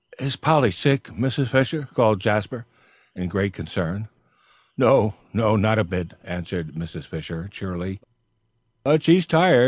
"Is Polly sick, Mrs. Fisher?" called Jasper, in great concern. "No, not a bit," answered Mrs. Fisher, cheerily, "but she's tired.